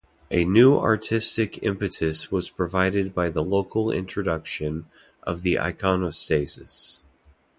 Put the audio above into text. A new artistic impetus was provided by the introduction of the iconostasis.